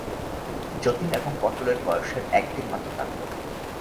যতীন এবং পটলের বয়সের একদিন মাত্র তারতম্য।